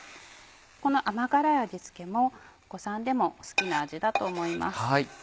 この甘辛い味付けもお子さんでも好きな味だと思います。